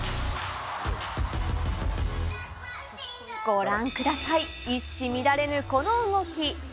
ご覧ください、一糸乱れぬこの動き。